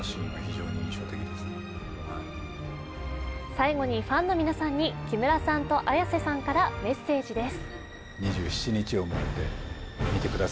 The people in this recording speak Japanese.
最後にファンの皆さんに木村さんと綾瀬さんからメッセージです。